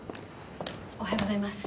おはようございます。